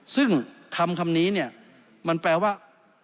ซึ่งคำนี้เนี่ยมันแปลว่า